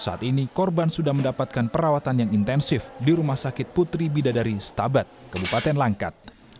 saat ini korban sudah mendapatkan perawatan yang intensif di rumah sakit putri bidadari setabat kabupaten langkat